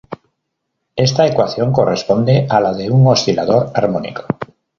Esta ecuación corresponde a la de un oscilador armónico.